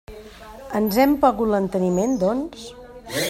Ens hem begut l'enteniment, doncs?